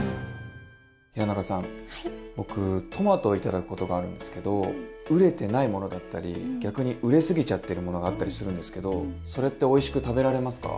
平仲さん僕トマトを頂くことがあるんですけど熟れてないものだったり逆に熟れすぎちゃってるものがあったりするんですけどそれっておいしく食べられますか？